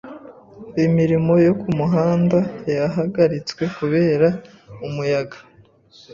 Imirimo yo kumuhanda yahagaritswe kubera umuyaga.